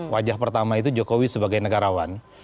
wajah pertama itu jokowi sebagai negarawan